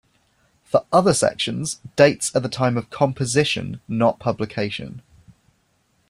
For other sections, dates are the time of composition, not publication.